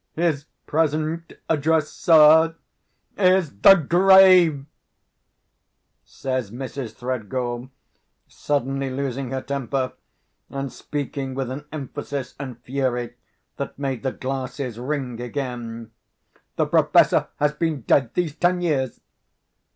"His present address, sir, is the grave," says Mrs. Threadgall, suddenly losing her temper, and speaking with an emphasis and fury that made the glasses ring again. "The Professor has been dead these ten years."